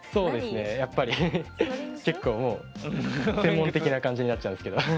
結構、もう専門的な感じになっちゃうんですけど。